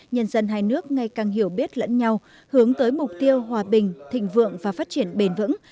nhân dân hai nước ngày càng hiểu biết lẫn nhau hướng tới mục tiêu hòa bình thịnh vượng và phát triển bền vững